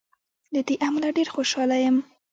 له دې امله ډېر خوشاله یم.